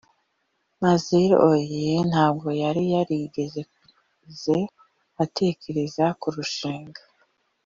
mamzelle aurlie ntabwo yari yarigeze atekereza kurushinga